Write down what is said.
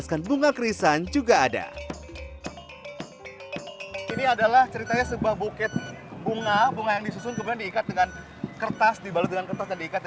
senang bangga banget bisa ikut mengikuti tradisi